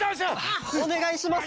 おねがいします！